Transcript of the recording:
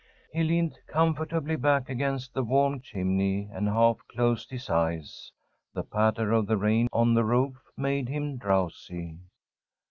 He leaned comfortably back against the warm chimney and half closed his eyes. The patter of the rain on the roof made him drowsy.